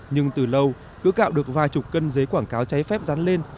nhưng từ lâu cứ gạo được vài chục cân giấy quảng cáo cháy phép rắn lên